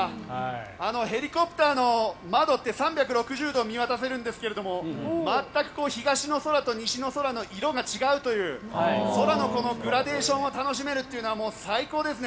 ヘリコプターの窓って３６０度見渡せるんですが全く東の空と西の空の色が違うという空のグラデーションを楽しめるというのは最高ですね。